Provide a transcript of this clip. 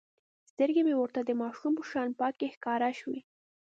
سترګې يې ورته د ماشوم په شان پاکې ښکاره شوې.